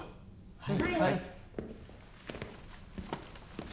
はい